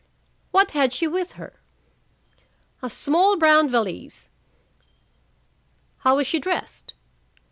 "What had she with her?" "A small brown valise." "How was she dressed?"